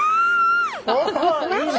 おいいね！